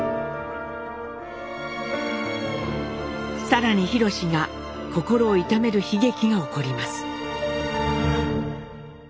更に廣が心を痛める悲劇が起こります。